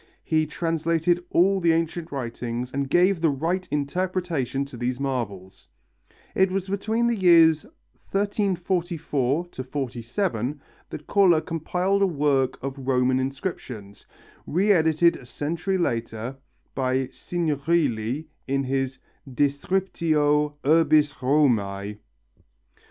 He translated all the ancient writings and gave the right interpretation to these marbles." It was between the years 1344 47 that Cola compiled a work on Roman inscriptions, re edited a century later by Signorili in his Descriptio urbis Romæ.